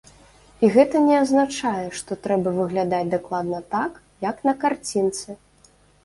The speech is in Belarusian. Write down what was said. І гэта не азначае, што трэба выглядаць дакладна так, як на карцінцы.